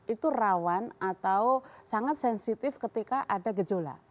itu rawan atau sangat sensitif ketika ada gejolak